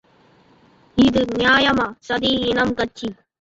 இது நியாயமா, சாதி, இனம், கட்சி?